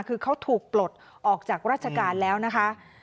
คือเขาถูกปลดออกจากราชการแล้วนะคะ